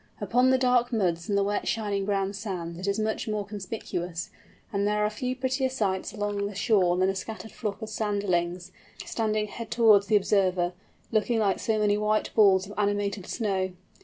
Upon the dark muds and the wet shining brown sands it is much more conspicuous; and there are few prettier sights along the shore than a scattered flock of Sanderlings, standing head towards the observer, looking like so many white balls of animated snow.